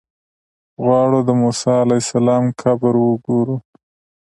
غواړو د موسی علیه السلام قبر وګورو.